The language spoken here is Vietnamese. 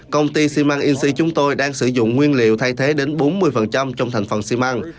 công ty xi măng inc chúng tôi đang sử dụng nguyên liệu thay thế đến bốn mươi trong thành phần xi măng